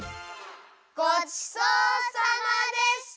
ごちそうさまでした！